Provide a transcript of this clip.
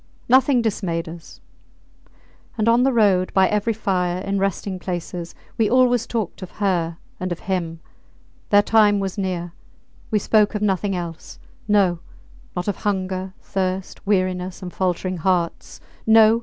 Nothing dismayed us. And on the road, by every fire, in resting places, we always talked of her and of him. Their time was near. We spoke of nothing else. No! not of hunger, thirst, weariness, and faltering hearts. No!